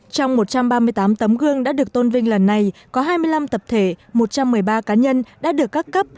trong một trăm ba mươi tám tấm gương đã được tôn vinh lần này có hai mươi năm tập thể một trăm một mươi ba cá nhân đã được các cấp